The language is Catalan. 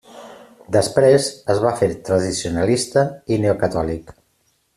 Després es va fer tradicionalista i neocatòlic.